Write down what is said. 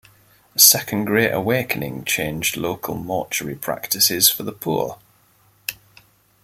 The Second Great Awakening changed local mortuary practices for the poor.